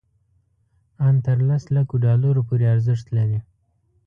ان تر لس لکو ډالرو پورې ارزښت لري.